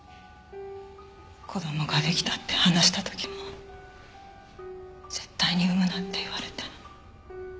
子供ができたって話した時も絶対に産むなって言われて。